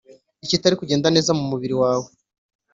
ikitari kugenda neza mumubiri wawe